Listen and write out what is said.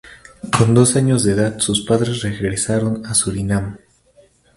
Con dos años de edad sus padres regresaron a Surinam.